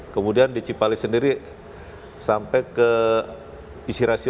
kemudian di cipali sendiri sampai ke isi rasio